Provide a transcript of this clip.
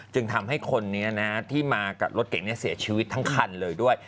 จึงทำให้คนนี้ที่มากับรถเก่งเสียชีวิตทั้งคันเลยด้วย